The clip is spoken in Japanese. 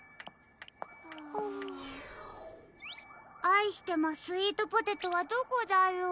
「あいしてまスイートポテト」はどこだろう？